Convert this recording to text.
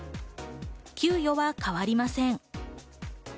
給与はかわりません。